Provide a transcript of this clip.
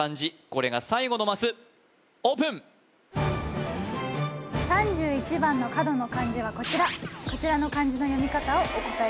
これが最後のマスオープン３１番の角の漢字はこちらこちらの漢字の読み方をお答え